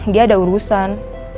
dia ada urusan